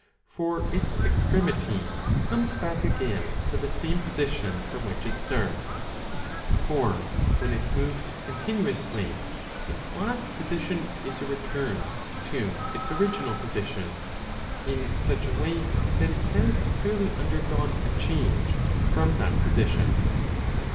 For its extremity comes back again to the same position from which it starts ; for, when it moves continuously, its last position is a return to its original position, in such 10 a way that it has clearly undergone a change from that position.